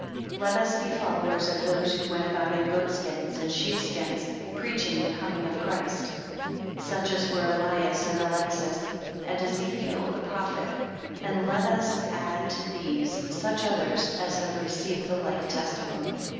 17 Let us be followers of those who went about in goat skins, and sheep skins; preaching the coming of Christ. 18 Such were Elias, and Eliaxus, and Ezekiel, the prophets, And let us add to these, such others as have received the like testimony.